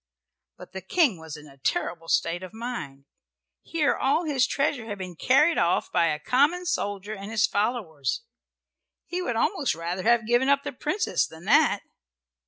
But the King was in a terrible state of mind. Here all his treasure had been carried off by a common soldier and his followers. He would almost rather have given up the Princess than that.